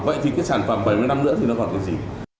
vậy thì cái sản phẩm bảy mươi năm nữa thì nó còn cái gì